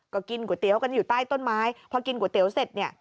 ก็กินก๋วยเตี๋ยวกันอยู่ใต้ต้นไม้พอกินก๋วยเตี๋ยวเสร็จเนี่ย